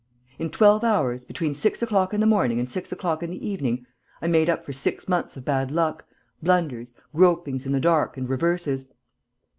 In twelve hours, between six o'clock in the morning and six o'clock in the evening, I made up for six months of bad luck, blunders, gropings in the dark and reverses.